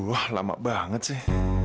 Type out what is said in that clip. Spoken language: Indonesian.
aduh lama banget sih